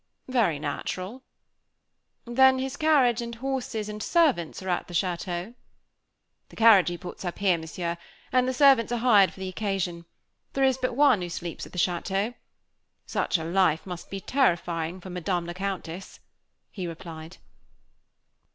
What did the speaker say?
"Very natural." "Then his carriage, and horses, and servants, are at the château?" "The carriage he puts up here, Monsieur, and the servants are hired for the occasion. There is but one who sleeps at the château. Such a life must be terrifying for Madame the Countess," he replied.